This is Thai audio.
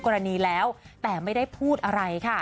กรณีแล้วแต่ไม่ได้พูดอะไรค่ะ